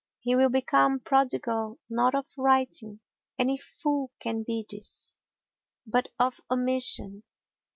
He will become prodigal not of writing—any fool can be this—but of omission.